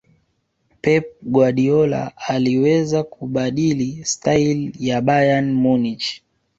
pep guardiola aliweza kubadili staili ya bayern munich